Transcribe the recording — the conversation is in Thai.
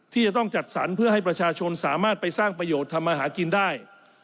ที่จะต้องจัดสรรเพื่อให้ประชาชนสามารถไปสร้างประโยชน์ทำมาหากินได้